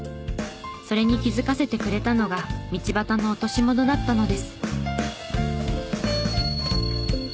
それに気づかせてくれたのが道端の落とし物だったのです。